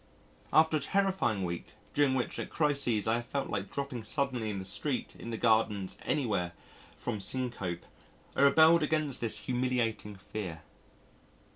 After a terrifying week, during which at crises I have felt like dropping suddenly in the street, in the gardens, anywhere, from syncope, I rebelled against this humiliating fear.